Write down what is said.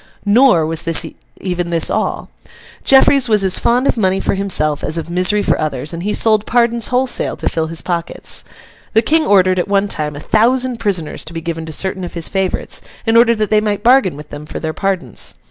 Nor was even this all. Jeffreys was as fond of money for himself as of misery for others, and he sold pardons wholesale to fill his pockets. The King ordered, at one time, a thousand prisoners to be given to certain of his favourites, in order that they might bargain with them for their pardons.